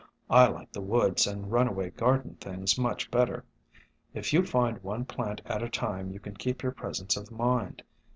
I like the woods and runaway garden things much better. If you find one plant at a time you can keep your presence of mind.